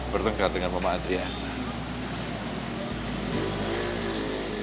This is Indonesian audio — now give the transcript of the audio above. bertengkar dengan mama adriana